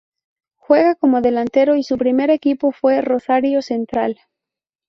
Juega como delantero y su primer equipo fue Rosario Central.